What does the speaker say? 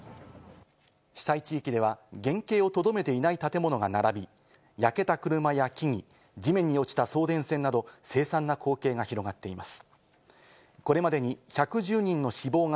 被災地域では、原型をとどめていない建物が並び、焼けた車や木々、地面に落ちた送電線など、凄惨な光景が広がっています。